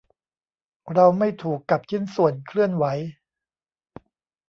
เราไม่ถูกกับชิ้นส่วนเคลื่อนไหว